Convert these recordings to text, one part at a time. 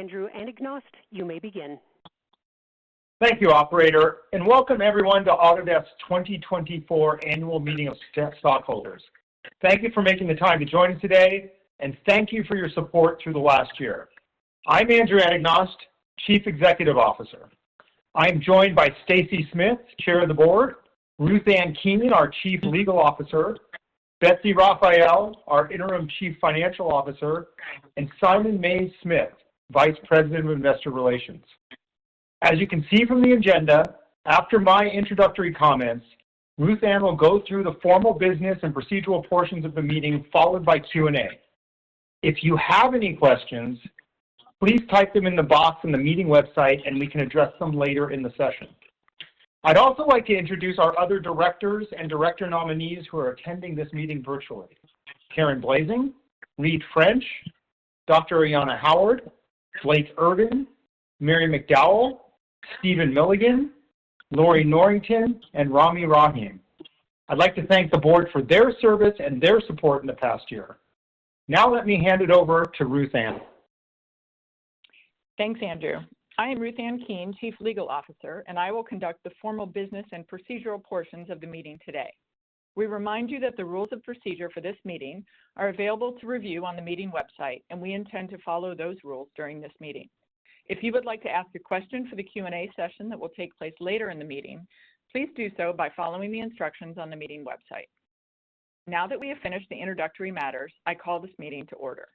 Andrew Anagnost, you may begin. Thank you, operator, and welcome everyone to Autodesk's 2024 annual meeting of stockholders. Thank you for making the time to join us today, and thank you for your support through the last year. I'm Andrew Anagnost, Chief Executive Officer. I am joined by Stacy Smith, Chair of the Board, Ruth Ann Keene, our Chief Legal Officer, Betsy Rafael, our Interim Chief Financial Officer, and Simon Mays-Smith, Vice President of Investor Relations. As you can see from the agenda, after my introductory comments, Ruth Ann Keene will go through the formal business and procedural portions of the meeting, followed by Q&A. If you have any questions, please type them in the box on the meeting website, and we can address them later in the session. I'd also like to introduce our other directors and director nominees who are attending this meeting virtually: Karen Blasing, Reid French, Dr. Ayanna Howard, Blake Irving, Mary McDowell, Stephen Milligan, Lorrie Norrington, and Rami Rahim. I'd like to thank the board for their service and their support in the past year. Now, let me hand it over to Ruth Ann. Thanks, Andrew. I am Ruth Ann Keene, Chief Legal Officer, and I will conduct the formal business and procedural portions of the meeting today. We remind you that the rules of procedure for this meeting are available to review on the meeting website, and we intend to follow those rules during this meeting. If you would like to ask a question for the Q&A session that will take place later in the meeting, please do so by following the instructions on the meeting website. Now that we have finished the introductory matters, I call this meeting to order.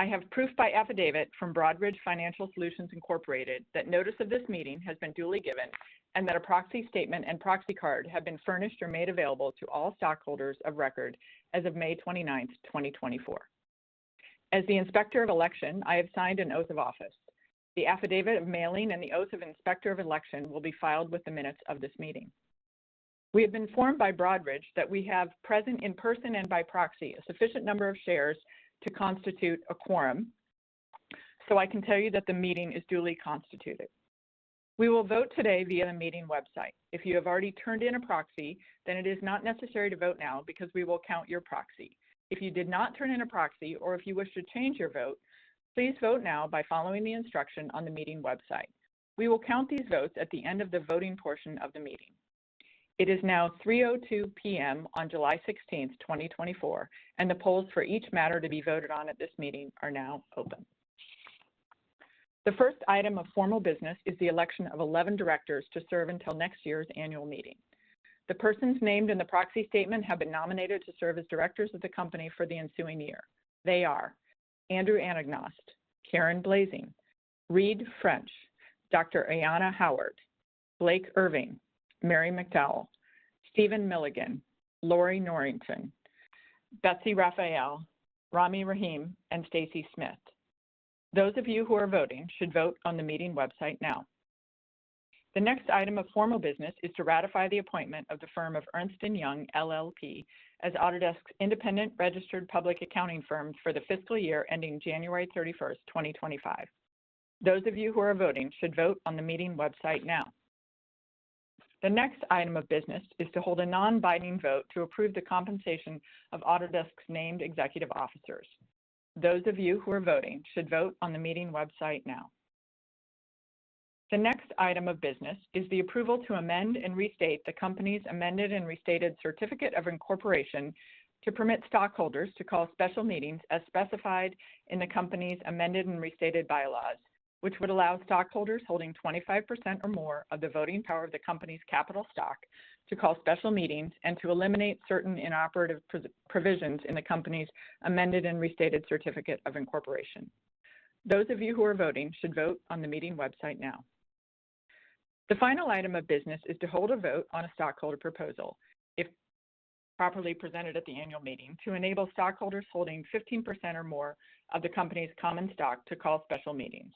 I have proof by affidavit from Broadridge Financial Solutions Incorporated that notice of this meeting has been duly given and that a proxy statement and proxy card have been furnished or made available to all stockholders of record as of May 29, 2024. As the Inspector of Election, I have signed an oath of office. The affidavit of mailing and the oath of Inspector of Election will be filed with the minutes of this meeting. We have been informed by Broadridge that we have present in person and by proxy, a sufficient number of shares to constitute a quorum, so I can tell you that the meeting is duly constituted. We will vote today via the meeting website. If you have already turned in a proxy, then it is not necessary to vote now because we will count your proxy. If you did not turn in a proxy or if you wish to change your vote, please vote now by following the instruction on the meeting website. We will count these votes at the end of the voting portion of the meeting. It is now 3:02 P.M. on July 16, 2024, and the polls for each matter to be voted on at this meeting are now open. The first item of formal business is the election of 11 directors to serve until next year's annual meeting. The persons named in the proxy statement have been nominated to serve as directors of the company for the ensuing year. They are: Andrew Anagnost, Karen Blasing, Reid French, Dr. Ayanna Howard, Blake Irving, Mary McDowell, Stephen Milligan, Lorrie Norrington, Betsy Rafael, Rami Rahim, and Stacy Smith. Those of you who are voting should vote on the meeting website now. The next item of formal business is to ratify the appointment of the firm of Ernst & Young LLP as Autodesk's independent registered public accounting firm for the fiscal year ending January 31st, 2025. Those of you who are voting should vote on the meeting website now. The next item of business is to hold a non-binding vote to approve the compensation of Autodesk's named executive officers. Those of you who are voting should vote on the meeting website now. The next item of business is the approval to amend and restate the company's amended and restated Certificate of Incorporation to permit stockholders to call special meetings as specified in the company's amended and restated Bylaws, which would allow stockholders holding 25% or more of the voting power of the company's capital stock to call special meetings and to eliminate certain inoperative provisions in the company's amended and restated Certificate of Incorporation. Those of you who are voting should vote on the meeting website now. The final item of business is to hold a vote on a stockholder proposal, if properly presented at the annual meeting, to enable stockholders holding 15% or more of the company's common stock to call special meetings.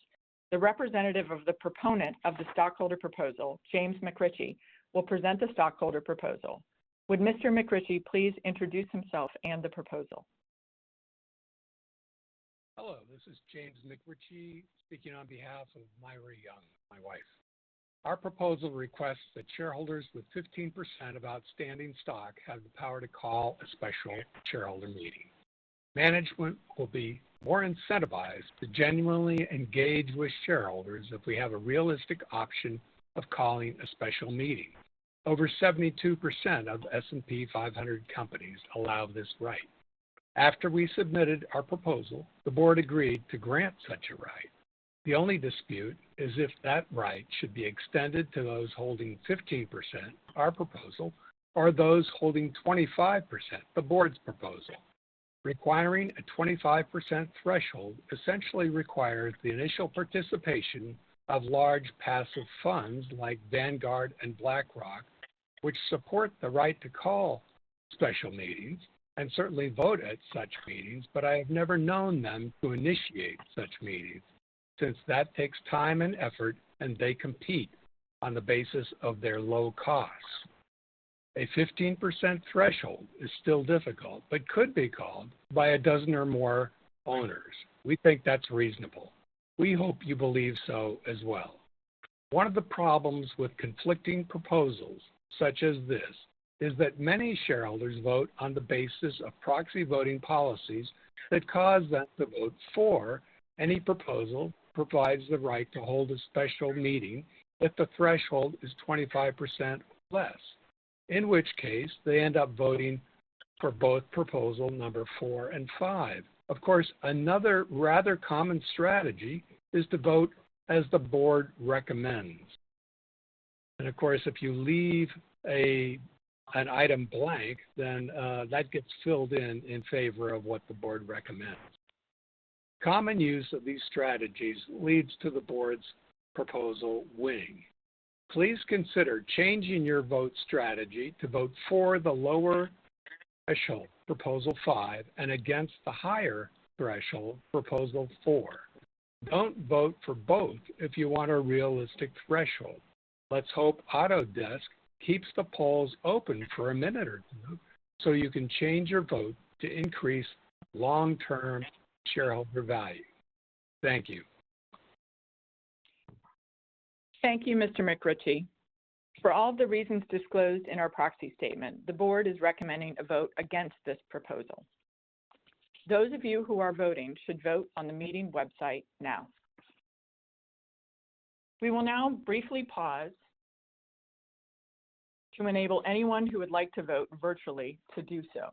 The representative of the proponent of the stockholder proposal, James McRitchie, will present the stockholder proposal. Would Mr. McRitchie please introduce himself and the proposal? Hello, this is James McRitchie, speaking on behalf of Myra Young, my wife. Our proposal requests that shareholders with 15% of outstanding stock have the power to call a special shareholder meeting. Management will be more incentivized to genuinely engage with shareholders if we have a realistic option of calling a special meeting. Over 72% of S&P 500 companies allow this right. After we submitted our proposal, the board agreed to grant such a right. The only dispute is if that right should be extended to those holding 15%, our proposal, or those holding 25%, the board's proposal. Requiring a 25% threshold essentially requires the initial participation of large passive funds like Vanguard and BlackRock, which support the right to call special meetings and certainly vote at such meetings, but I have never known them to initiate such meetings, since that takes time and effort, and they compete on the basis of their low costs. A 15% threshold is still difficult, but could be called by a dozen or more owners. We think that's reasonable. We hope you believe so as well.... One of the problems with conflicting proposals such as this is that many shareholders vote on the basis of proxy voting policies that cause them to vote for any proposal, provides the right to hold a special meeting if the threshold is 25% less, in which case they end up voting for both proposal number four and five. Of course, another rather common strategy is to vote as the board recommends. Of course, if you leave an item blank, then that gets filled in in favor of what the board recommends. Common use of these strategies leads to the board's proposal winning. Please consider changing your vote strategy to vote for the lower threshold, proposal five, and against the higher threshold, proposal four. Don't vote for both if you want a realistic threshold. Let's hope Autodesk keeps the polls open for a minute or two, so you can change your vote to increase long-term shareholder value. Thank you. Thank you, Mr. McRitchie. For all the reasons disclosed in our proxy statement, the board is recommending a vote against this proposal. Those of you who are voting should vote on the meeting website now. We will now briefly pause to enable anyone who would like to vote virtually to do so.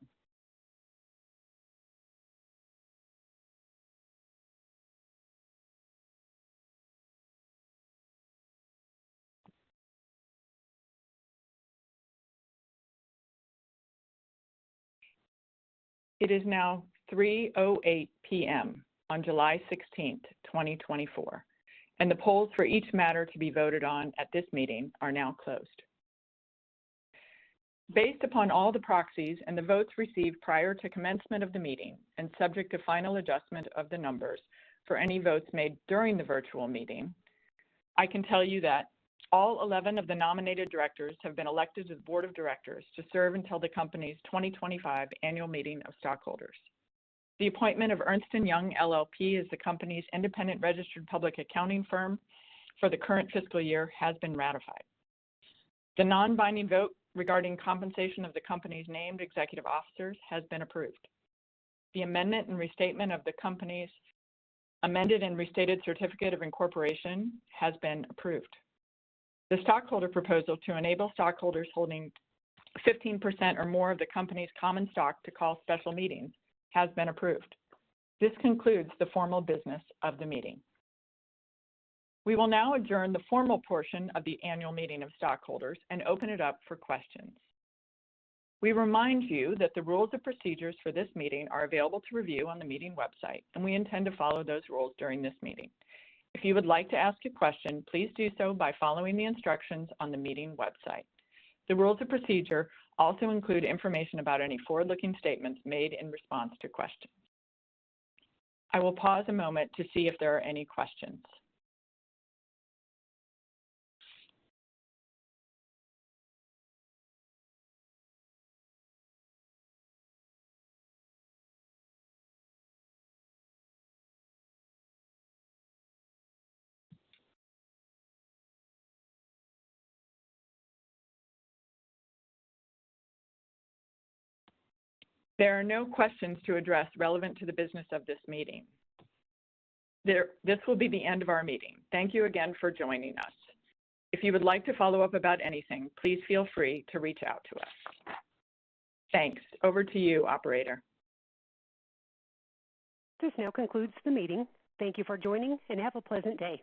It is now 3:08 P.M. on July 16th, 2024, and the polls for each matter to be voted on at this meeting are now closed. Based upon all the proxies and the votes received prior to commencement of the meeting, and subject to final adjustment of the numbers for any votes made during the virtual meeting, I can tell you that all 11 of the nominated directors have been elected to the board of directors to serve until the company's 2025 annual meeting of stockholders. The appointment of Ernst & Young LLP as the company's independent registered public accounting firm for the current fiscal year has been ratified. The non-binding vote regarding compensation of the company's named executive officers has been approved. The amendment and restatement of the company's amended and restated Certificate of Incorporation has been approved. The Stockholder proposal to enable stockholders holding 15% or more of the company's common stock to call special meetings has been approved. This concludes the formal business of the meeting. We will now adjourn the formal portion of the annual meeting of stockholders and open it up for questions. We remind you that the rules and procedures for this meeting are available to review on the meeting website, and we intend to follow those rules during this meeting. If you would like to ask a question, please do so by following the instructions on the meeting website. The rules and procedure also include information about any forward-looking statements made in response to questions. I will pause a moment to see if there are any questions. There are no questions to address relevant to the business of this meeting. This will be the end of our meeting. Thank you again for joining us. If you would like to follow up about anything, please feel free to reach out to us. Thanks. Over to you, Operator. This now concludes the meeting. Thank you for joining, and have a pleasant day.